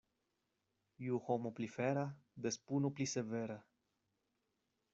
Ju homo pli fiera, des puno pli severa.